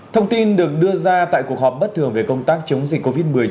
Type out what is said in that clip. thông tin được đưa ra tại cuộc họp bất thường về công tác chống dịch covid một mươi chín